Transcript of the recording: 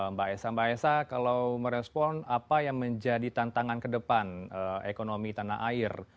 mbak esa mbak esa kalau merespon apa yang menjadi tantangan ke depan ekonomi tanah air